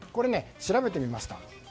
調べてみました。